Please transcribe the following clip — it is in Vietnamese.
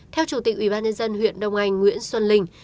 theo chủ tịch ubnd huyện đông anh nguyễn xuân linh